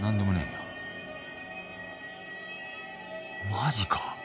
マジか？